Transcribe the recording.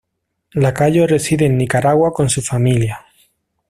Lacayo reside en Nicaragua con su familia.